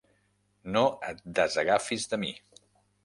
No et desagafis de mi.